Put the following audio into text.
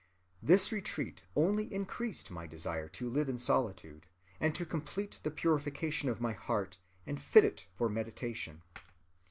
"This retreat only increased my desire to live in solitude, and to complete the purification of my heart and fit it for meditation.